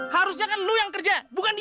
harusnya kan lo yang kerja bukan dia